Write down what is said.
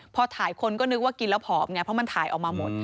พอถ่ายคนก็นึกว่ากินแล้วผอมไงเพราะมันถ่ายออกมาหมด